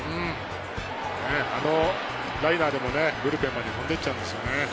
あのライナーでもブルペンまで持ってっちゃうんですよね。